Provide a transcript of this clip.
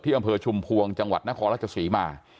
ที่อำเภอชุมภวงจังหวัดนครรักษศรีมา